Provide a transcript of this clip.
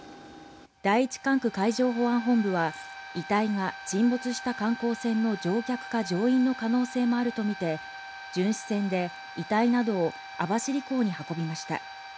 第１管区海上保安本部は、遺体が沈没した観光船の乗客か乗員の可能性もあるとみて巡視船で遺体などを網走港に運びました。